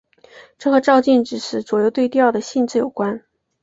这和照镜子时左右对调的性质有关。